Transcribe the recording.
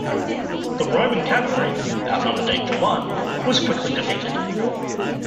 The Roman cavalry, outnumbered eight to one, was quickly defeated.